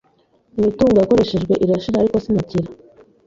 imitungo yarakoreshejwe irashira ariko sinakira,